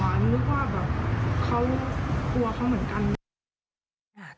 หนูนึกว่าเขากลัวเขาเหมือนกัน